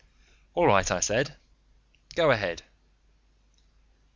"All right," I said. "Go ahead."